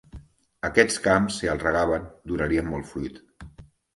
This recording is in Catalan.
Aquests camps, si els regaven, donarien molt fruit.